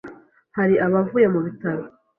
hari abavuye mu bitaro,